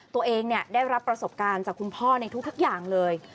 ตัวเองได้รับประสบการณ์จากคุณพ่อในทุกอย่างเลย